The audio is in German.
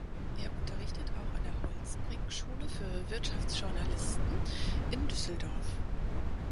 Er unterrichtet auch an der Holtzbrinck-Schule für Wirtschaftsjournalisten in Düsseldorf.